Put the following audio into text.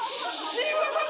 新村さん